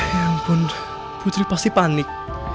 ya ampun putri pasti panik